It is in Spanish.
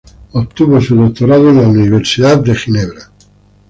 Obtuvo su doctorado en la Universidad de Ginebra.